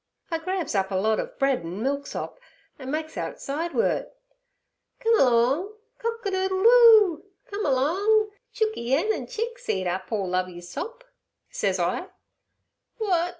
'I grabs up a lot ov bread an' milk sop, an' makes outside wi' it. "Come along, cock a doodle doo; come along, chooky 'en an' chicks, eat up all Lovey's sop," sez I. "W'at!"